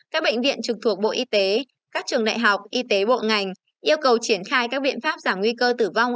các bệnh viện trực thuộc bộ y tế các trường đại học y tế bộ ngành yêu cầu triển khai các biện pháp giảm nguy cơ tử vong